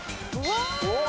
うわ！